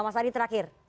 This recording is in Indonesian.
mas adi terakhir